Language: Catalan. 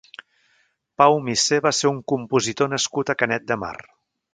Pau Misser va ser un compositor nascut a Canet de Mar.